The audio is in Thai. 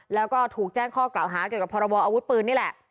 แล้วก็ถูกแจ้งข้อกล่าวหาเกี่ยวกับพรบออาวุธปืนนี่แหละ